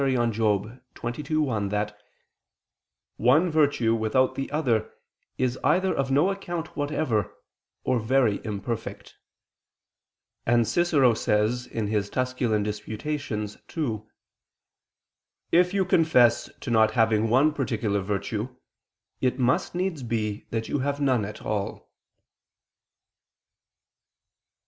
xxii, 1) that "one virtue without the other is either of no account whatever, or very imperfect": and Cicero says (Quaest. Tusc. ii): "If you confess to not having one particular virtue, it must needs be that you have none at all."